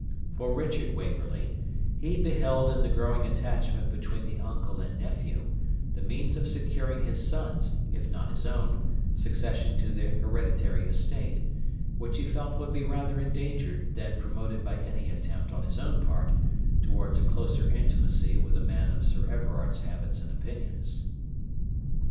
For Richard Waverley, he beheld in the growing attachment between the uncle and nephew the means of securing his son's, if not his own, succession to the hereditary estate, which he felt would be rather endangered than promoted by any attempt on his own part towards a closer intimacy with a man of Sir Everard's habits and opinions.